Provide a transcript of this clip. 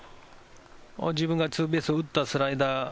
自分がツーベースを打ったスライダー。